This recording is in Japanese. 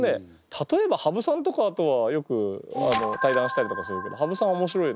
例えば羽生さんとかとはよく対談したりとかするけど羽生さん面白い。